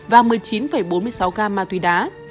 và một mươi chín bốn mươi sáu gam ma túy đá